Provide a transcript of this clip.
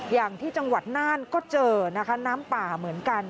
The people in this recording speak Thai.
อย่างที่จังหวัดน่านก็เจอนะคะน้ำป่าเหมือนกัน